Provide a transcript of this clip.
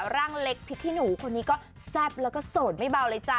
ร่างเล็กพริกขี้หนูคนนี้ก็แซ่บแล้วก็โสดไม่เบาเลยจ้